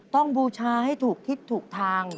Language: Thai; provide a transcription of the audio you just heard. ต้องบูชาให้ถูกคิดถูกทาง